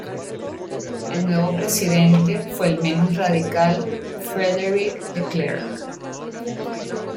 El nuevo presidente fue el menos radical Frederik de Klerk.